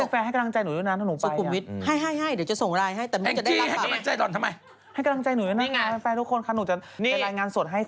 แล้วก็ต้องสุขุนวิทย์ให้เดี๋ยวจะส่งไลน์ให้แต่นี่ไม่ได้รับไม่ไง